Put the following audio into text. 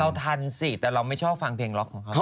ทันสิแต่เราไม่ชอบฟังเพลงล็อกของเขา